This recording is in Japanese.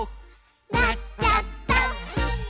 「なっちゃった！」